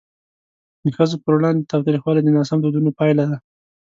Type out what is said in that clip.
د ښځو پر وړاندې تاوتریخوالی د ناسم دودونو پایله ده.